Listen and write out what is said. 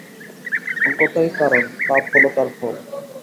অজ্ঞতাই কারণ, পাপ হল তার ফল।